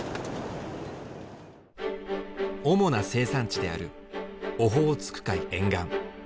主な生産地であるオホーツク海沿岸。